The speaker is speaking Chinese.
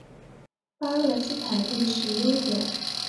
巴勒斯坦历史悠久。